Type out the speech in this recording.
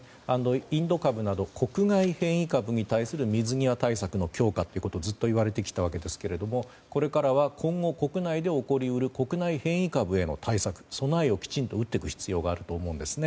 インド株など国外変異株に対する水際対策の強化ということをずっといわれてきたわけですがこれからは、今後国内で起こり得る国内変異株への対策、備えをきちんと打っていく必要があると思うんです。